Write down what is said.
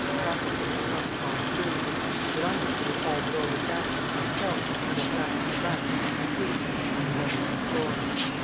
Raffles said it would not have gone through, that I must have been all but over the banisters myself when I grasped the butt as it protruded through them on the level of the floor.